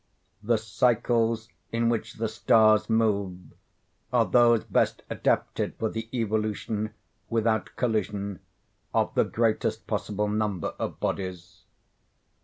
The cycles in which the stars move are those best adapted for the evolution, without collision, of the greatest possible number of bodies.